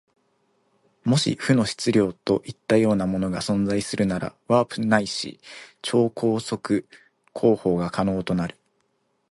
もし負の質量といったようなものが存在するなら、ワープないし超光速航法が可能となる。